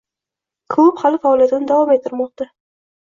Klub hali faoliyatini davom ettirmoqda.